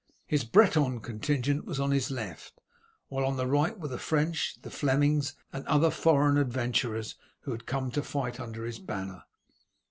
His Breton contingent was on his left, while on the right were the French, the Flemings, and the other foreign adventurers who had come to fight under his banner.